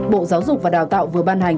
bộ giáo dục và đào tạo vừa ban hành